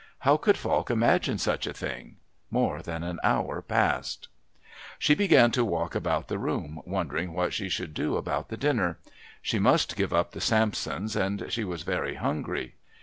How could Falk imagine such a thing? More than an hour passed. She began to walk about the room, wondering what she should do about the dinner. She must give up the Sampsons, and she was very hungry.